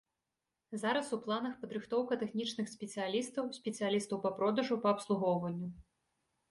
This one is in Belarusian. Зараз у планах падрыхтоўка тэхнічных спецыялістаў, спецыялістаў па продажу, па абслугоўванню.